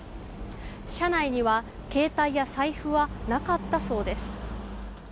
車内には携帯や財布はなかったそうです。